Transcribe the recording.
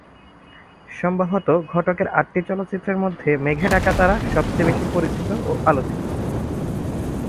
সম্ভবত ঘটকের আটটি চলচ্চিত্রের মধ্যে '"মেঘে ঢাকা তারা"' সবচেয়ে বেশি পরিচিত ও আলোচিত।